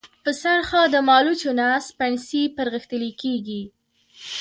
په سرخه د مالوچو نه سپڼسي پرغښتلي كېږي۔